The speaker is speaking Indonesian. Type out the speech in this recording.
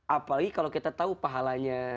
apalagi kalau kita tahu pahalanya